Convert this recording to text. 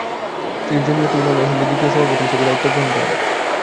তিনি জমিয়ত উলামায়ে হিন্দের দ্বিতীয় সভাপতি হিসেবে দায়িত্ব গ্রহণ করেন।